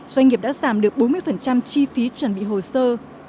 doanh nghiệp đã giảm được bốn mươi chi phí chuẩn bị hồ sơ